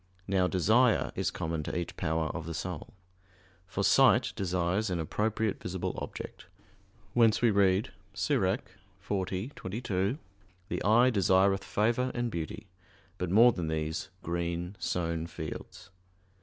Now desire is common to each power of the soul. For sight desires an appropriate visible object; whence we read (Ecclus. 40:22): "The eye desireth favor and beauty, but more than these green sown fields."